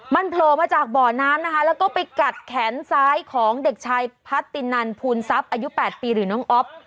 มันโผล่มาจากบ่อน้ำนะคะแล้วก็ไปกัดแขนซ้ายของเด็กชายพัตตินันภูนทรัพย์อายุ๘ปีหรือน้องอ๊อฟ